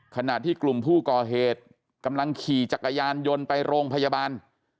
ขณะที่กลุ่มผู้ก่อเหตุกำลังขี่จักรยานยนต์ไปโรงพยาบาล